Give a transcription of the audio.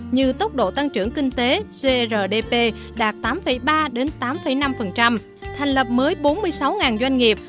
như tốc độ tăng trưởng kinh tế grdp đạt tám ba tám năm thành lập mới bốn mươi sáu doanh nghiệp